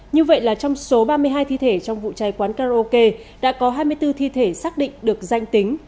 như vậy là trong số ba mươi hai thi thể trong vụ cháy quán karaoke đã có hai mươi bốn thi thể xác định được danh tính